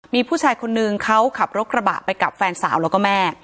มีผู้ชายคนนึงเขาขับรถกระบะไปกับแฟนสาวแล้วก็แม่